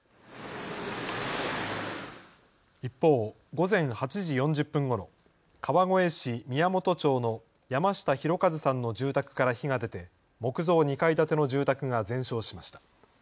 一方、午前８時４０分ごろ川越市宮元町の山下裕和さんの住宅から火が出て木造２階建ての住宅が全焼しました。